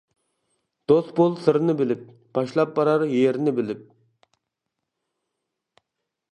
دوست بول سىرىنى بىلىپ، باشلاپ بارار يېرىنى بىلىپ.